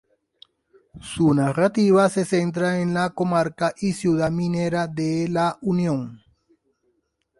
Su narrativa se centra en la comarca y ciudad minera de La Unión.